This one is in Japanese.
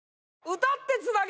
歌ってつなげ！